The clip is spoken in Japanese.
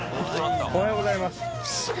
おはようございます。